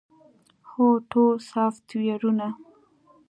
هو، ټول سافټویرونه